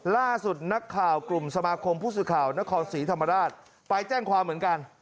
ล่าสุดนักข่าวกลุ่มสมาคมผู้สื่อข่าวนครศรีธรรมราชไปแจ้งความเหมือนกัน